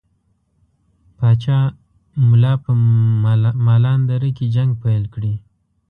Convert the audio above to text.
پاچا ملا په مالان دره کې جنګ پیل کړي.